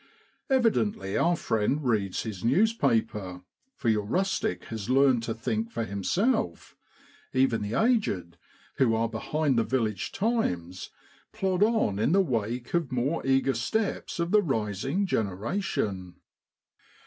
Evidently our friend reads his newspaper, for your rustic has learned to think for himself; even the aged, who are behind the village times, plod on in the wake of the more eager steps of the rising generation.